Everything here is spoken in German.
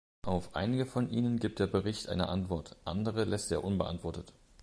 Auf einige von ihnen gibt der Bericht eine Antwort, andere lässt er unbeantwortet.